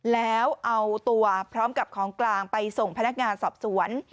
แล้วเอาตัวพร้อมกับของกลางไปส่งพนักงานสอบสวน